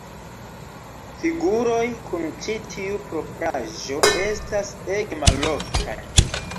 Figuroj kun ĉi tiu propraĵo estas ege maloftaj.